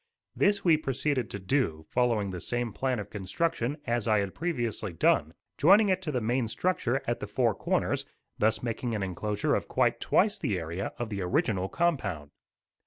This we proceeded to do, following the same plan of construction as I had previously done, joining it to the main structure at the four corners, thus making an enclosure of quite twice the area of the original compound.